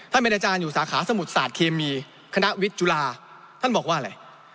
เป็นอาจารย์อยู่สาขาสมุทรศาสตร์เคมีคณะวิทย์จุฬาท่านบอกว่าอะไร